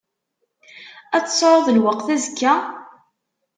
Ad tesεuḍ lweqt azekka?